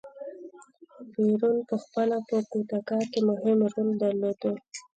پېرون په خپله په کودتا کې مهم رول درلود.